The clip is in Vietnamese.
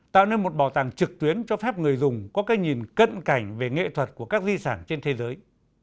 tạo nên một bảo tàng trực tuyến cho phép người dùng có cái nhìn cận cảnh về nghệ thuật của các di sản trên thế giới